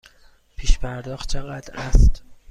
پیش پرداخت چقدر است؟